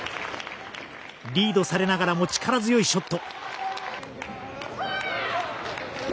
リードされながらも力強いショット。